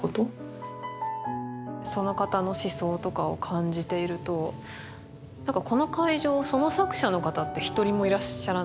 その方の思想とかを感じているとなんかこの会場その作者の方って一人もいらっしゃらない。